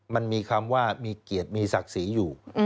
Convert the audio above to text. มันมีคำว่ามีเกียรติมีศักดิ์ศรีอยู่